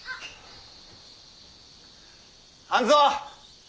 半蔵！